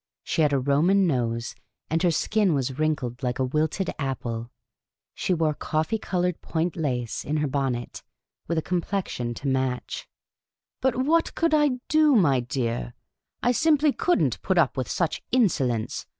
She had a Roman nose, and her skin was wrinkled like a wilted apple ; she wore coffee coloured point lace in her bonnet, with a com plexion to match. " But what could I do, my dear? I simply couldn't put up with such insolence.